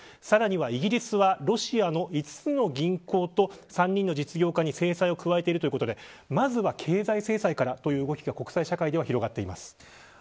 さらには、イギリスはロシアの５つの銀行こ３人の実業家に制裁を加えているということでまずは経済制裁からという動きが広まっています。